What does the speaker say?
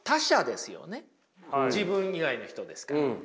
自分以外の人ですから。